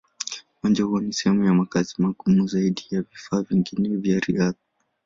Uwanja huo ni sehemu ya makazi magumu zaidi ya vifaa vingine vya riadha.